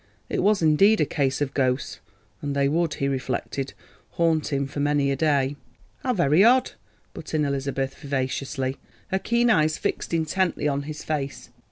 It was indeed a "case of ghosts," and they would, he reflected, haunt him for many a day. "How very odd," put in Elizabeth vivaciously, her keen eyes fixed intently on his face.